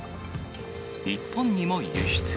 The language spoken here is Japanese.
日本にも輸出。